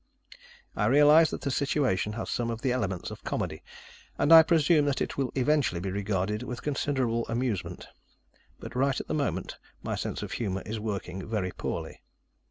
I realize that the situation has some of the elements of comedy, and I presume that it will eventually be regarded with considerable amusement, but right at the moment, my sense of humor is working very poorly.